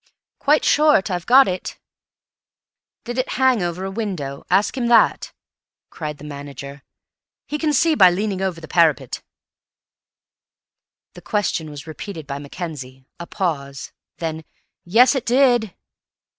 "Quite short. I've got it." "Did it hang over a window? Ask him that!" cried the manager. "He can see by leaning over the parapet." The question was repeated by Mackenzie; a pause, then "Yes, it did."